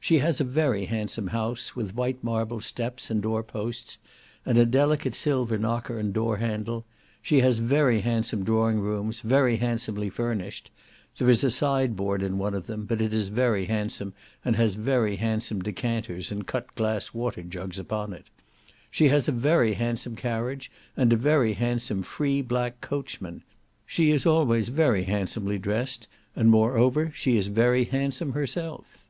She has a very handsome house, with white marble steps and door posts, and a delicate silver knocker and door handle; she has very handsome drawing rooms, very handsomely furnished, (there is a sideboard in one of them, but it is very handsome, and has very handsome decanters and cut glass water jugs upon it); she has a very handsome carriage, and a very handsome free black coachman; she is always very handsomely dressed; and, moreover, she is very handsome herself.